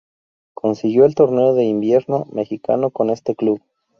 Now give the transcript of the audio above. Consiguió el Torneo de Invierno mexicano con este club.